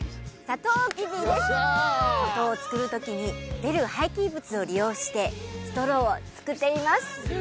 砂糖を作る時に出る廃棄物を利用してストローを作っています